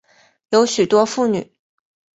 有许多妇女